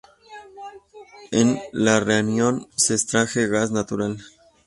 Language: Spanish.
En el raión se extrae gas natural.